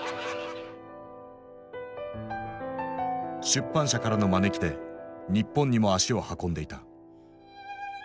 出版社からの招きで日本にも足を運んでいた。